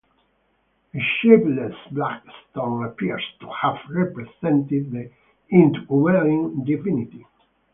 A shapeless black stone appears to have represented the indwelling divinity.